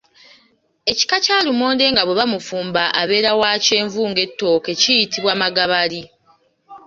Ekika kya lumonde nga bwe bamufumba abeera wa kyenvu ng’ettooke kiyitibwa magabali.